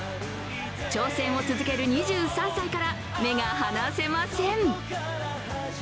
挑戦を続ける２３歳から目が離せません。